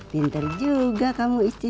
pinter juga kamu isi